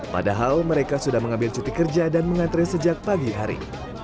padahal mereka sudah mengambil cuti kerja dan mengantre sejak pagi hari